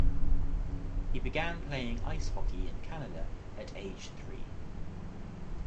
He began playing ice hockey in Canada at age three.